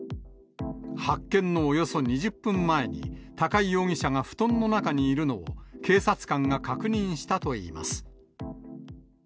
発見のおよそ２０分前に、高井容疑者が布団の中にいるのを、警察官が確認したといいます。